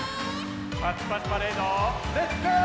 「パチパチパレードっ！」レッツゴー！